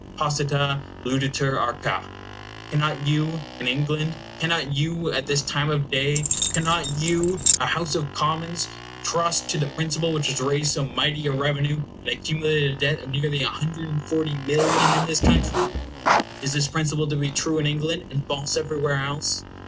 Posita luditur arca. Cannot you, in England cannot you, at this time of day cannot you, a House of Commons, trust to the principle which has raised so mighty a revenue, and accumulated a debt of near 140,000,000 in this country? Is this principle to be true in England, and false everywhere else?